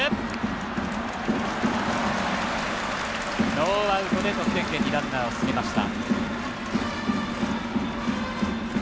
ノーアウトで得点圏にランナーを進めました。